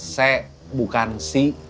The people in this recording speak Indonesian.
se bukan si